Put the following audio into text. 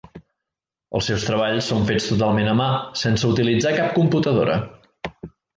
Els seus treballs són fets totalment a mà, sense utilitzar cap computadora.